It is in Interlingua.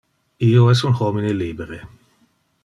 Io es un homine libere.